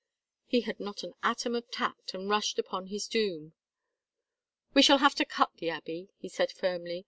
He had not an atom of tact and rushed upon his doom. "We shall have to cut the Abbey," he said, firmly.